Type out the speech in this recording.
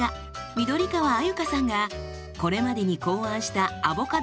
緑川鮎香さんがこれまでに考案したアボカドレシピ